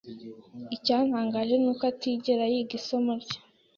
Icyantangaje nuko atigera yiga isomo rye.